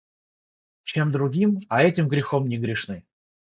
Чем другим, а этим грехом не грешны.